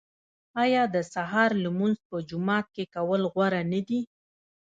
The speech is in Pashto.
آیا د سهار لمونځ په جومات کې کول غوره نه دي؟